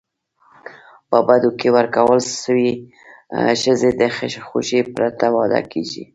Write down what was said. په بدو کي ورکول سوي ښځي د خوښی پرته واده کيږي.